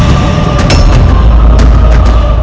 dan menghentikan raiber